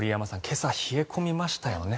今朝、冷え込みましたよね。